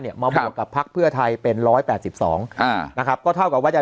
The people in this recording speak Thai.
เนี่ยมาบวกกับพักเพื่อไทยเป็น๑๘๒นะครับก็เท่ากับว่าจะ